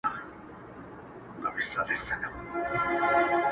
دا حالت د خدای عطاء ده، د رمزونو په دنيا کي.